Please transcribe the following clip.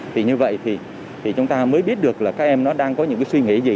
vì như vậy thì chúng ta mới biết được là các em nó đang có những suy nghĩ gì